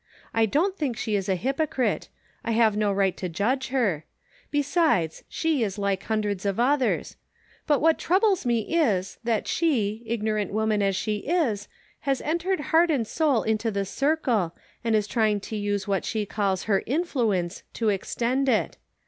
I don't think she is a hypocrite ; I have no right to judge her ; besides, she is like hundreds of others ; but what troubles me is, that she, ignorant woman as she is, has entered heart and soul into this circle, and is trying to use what she calls her ' influence ' to extend it.